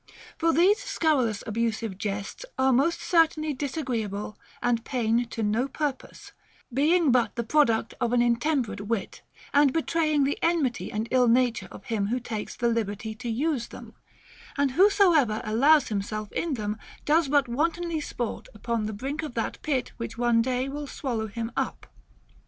For these scurrilous abusive jests are most certainly disagreeable and pain to no purpose, being but the product of an intemperate wit, and betraying the enmity and ill nature of him who takes the liberty to use them ; and whosoever allows himself in them does but wantonly sport about the brink of that pit which one day will swallow him up.